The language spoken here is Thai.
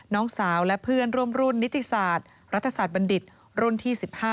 น้องสาวและเพื่อนร่วมรุ่นนิติศาสตร์รัฐศาสตร์บัณฑิตรุ่นที่๑๕